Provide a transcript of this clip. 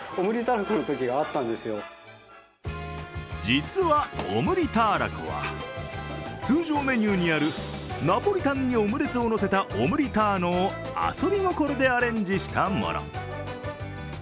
実はオムリターラコは、通常メニューにあるナポリタンにオムレツをのせたオムリターノを遊び心でアレンジしたもの。